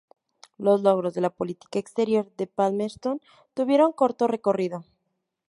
Los logros de la política exterior de Palmerston tuvieron corto recorrido.